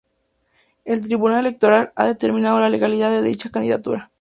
El tribunal electoral ha determinado la legalidad de dicha candidatura.